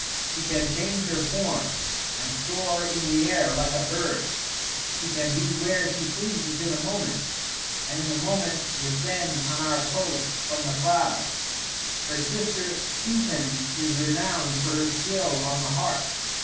She can change her form, and soar in the air like a bird; she can be where she pleases in a moment, and in a moment descend on our coasts from the clouds. Her sister Thiten is renowned for her skill on the harp.'